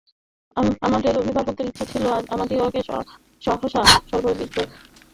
আমাদের অভিভাবকের ইচ্ছা ছিল আমাদিগকে সহসা সর্ববিদ্যায় পারদর্শী করিয়া তুলিবেন।